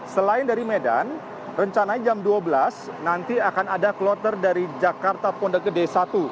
selain dari medan rencananya jam dua belas nanti akan ada kloter dari jakarta pondok gede satu